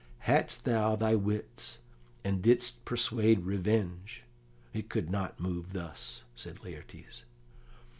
"Hadst thou thy wits, and didst persuade revenge, it could not move thus," said Laertes.